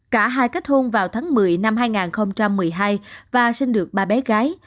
cả hai kết hôn vào tháng một mươi năm hai nghìn một mươi hai và sinh được ba bé gái